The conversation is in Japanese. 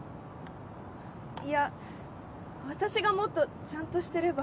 いや私がもっとちゃんとしてれば。